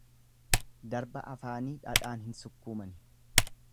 Darba afaanii dhadhaan hin sukkuumani.